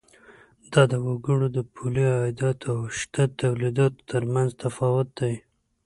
دا د وګړو د پولي عایداتو او شته تولیداتو تر مینځ تفاوت دی.